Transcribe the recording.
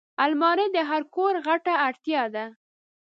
الماري د هر کور غټه اړتیا ده